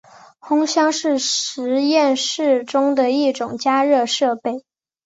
烘箱是实验室中的一种加热设备。